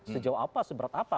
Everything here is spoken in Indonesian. sejauh apa seberat apa